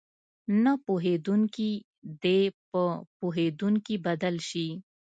نه پوهېدونکي دې په پوهېدونکي بدل شي.